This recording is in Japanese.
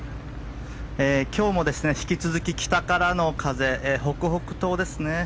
今日も引き続き、北からの風北北東ですね。